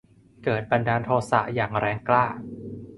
เกิดบันดาลโทสะอย่างแรงกล้า